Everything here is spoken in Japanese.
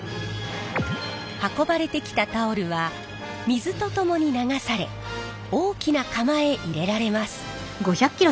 運ばれてきたタオルは水と共に流され大きな釜へ入れられます。